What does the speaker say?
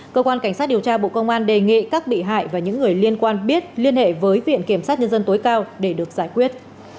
cơ quan cảnh sát điều tra bộ công an đề nghị các bị hại và những người liên quan biết liên hệ với viện kiểm sát nhân dân tối cao để được giải quyết